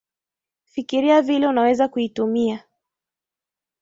Fikiria vile unaweza kuitumia